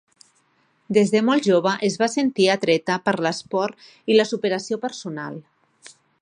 Des de molt jove es va sentir atreta per l'esport i la superació personal.